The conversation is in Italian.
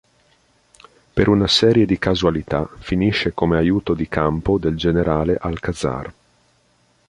Per una serie di casualità finisce come aiuto di campo del Generale Alcazar.